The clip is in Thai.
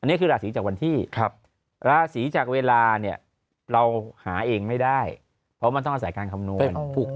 อันนี้คือราศีจากวันที่ราศีจากเวลาเนี่ยเราหาเองไม่ได้เพราะมันต้องอาศัยการคำนวณ